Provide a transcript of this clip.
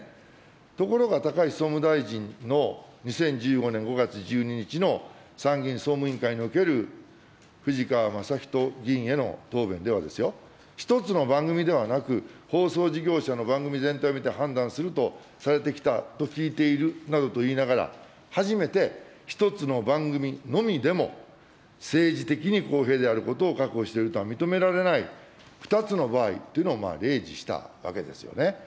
ところが、高市総務大臣の２０１５年５月１２日の参議院総務委員会における藤川政人議員への答弁ではですよ、１つの番組ではなく、放送事業者の番組全体を見て判断するとされてきたと聞いているなどと言いながら、初めて１つの番組のみでも政治的に公平であることを確保しているとは認められない、２つの場合というのも、例示したわけですよね。